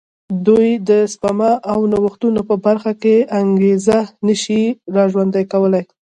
دوی د سپما او نوښتونو په برخه کې انګېزه نه شي را ژوندی کولای.